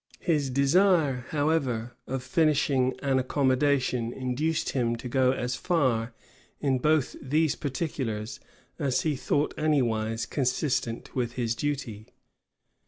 His desire, however, of finishing an accommodation, induced him to go as far in both these particulars as he thought any wise consistent with his duty.